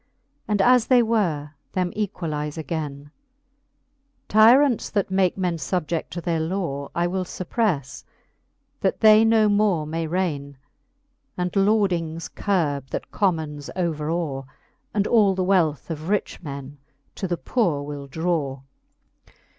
And as they were, them equalize againe. Tyrants, that make men fubjed to their law, I will fupprelTe, that they no more may raine ; And lordings curbe, that commons over aw ; And all the wealth of rich men to the poore will draw, XXXIX.